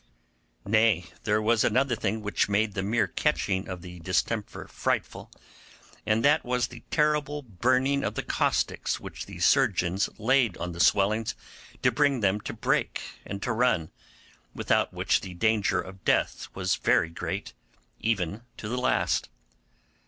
Nay, there was another thing which made the mere catching of the distemper frightful, and that was the terrible burning of the caustics which the surgeons laid on the swellings to bring them to break and to run, without which the danger of death was very great, even to the last.